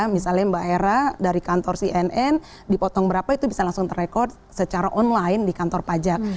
misalnya mbak hera dari kantor cnn dipotong berapa itu bisa langsung terekor secara online di kantor pajak